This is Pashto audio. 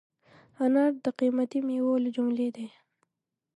انار د قیمتي مېوو له جملې دی.